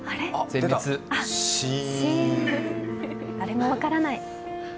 誰も分からない。